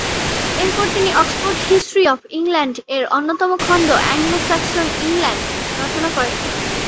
এরপর তিনি "Oxford history of ইংল্যান্ড"-এর অন্যতম খণ্ড "অ্যাংলো-স্যাক্সন ইংল্যান্ড" রচনা করেন।